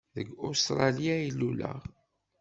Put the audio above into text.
Deg Ustṛalya ay luleɣ.